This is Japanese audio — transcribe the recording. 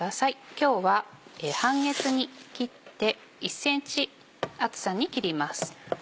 今日は半月に切って１ｃｍ厚さに切ります。